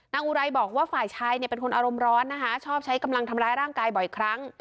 อุไรบอกว่าฝ่ายชายเนี่ยเป็นคนอารมณ์ร้อนนะคะชอบใช้กำลังทำร้ายร่างกายบ่อยครั้ง